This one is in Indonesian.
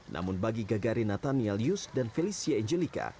namun bagi gagari nathaniel yus dan felicia angelica